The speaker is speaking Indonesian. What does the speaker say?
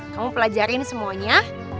kamu pelajarin semuanya